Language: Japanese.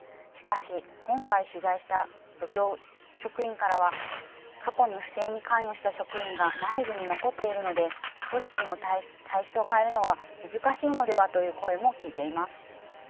しかし、今回取材した漁協職員からは過去に不正に関与した職員が内部に残っているので組織の体質を変えるのは難しいのではという声も聞いています。